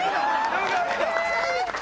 よかった！